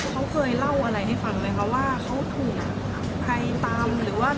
เขาเคยเล่าอะไรที่ฟังเลยเพราะว่าเขาถูกใครตาม